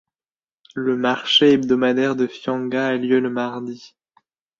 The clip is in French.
Le marché hebdomadaire de Fianga a lieu le mardi.